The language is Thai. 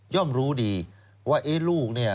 รู้ดีว่าเอ๊ะลูกเนี่ย